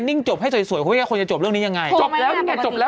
มันจะโดนสรุปกับเขาทำไม